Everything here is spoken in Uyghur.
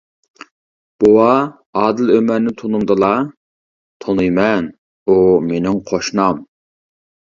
-:بوۋا، ئادىل ئۆمەرنى تونۇمدىلا؟ -:تونۇيمەن، ئۇ مىنىڭ قوشنام.